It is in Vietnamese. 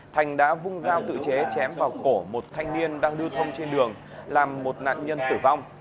thành đã vung dao tự chế chém vào cổ một thanh niên đang lưu thông trên đường làm một nạn nhân tử vong